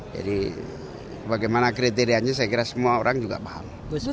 jadi bagaimana kriteriannya saya kira semua orang juga paham